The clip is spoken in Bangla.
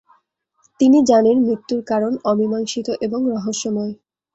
তিনি জানেন মৃত্যুর কারণ অমীমাংসিত এবং রহস্যময়।